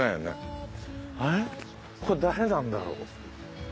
これ誰なんだろう？